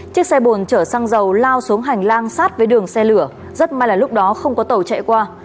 chiếc xe bồn chở xăng dầu lao xuống hành lang sát với đường xe lửa rất may là lúc đó không có tàu chạy qua